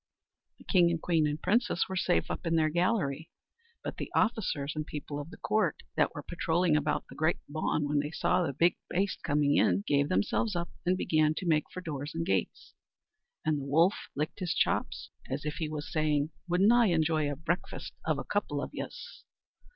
The king and queen and princess were safe up in their gallery, but the officers and people of the court that wor padrowling about the great bawn, when they saw the big baste coming in, gave themselves up, and began to make for doors and gates; and the wolf licked his chops, as if he was saying, "Wouldn't I enjoy a breakfast off a couple of yez!"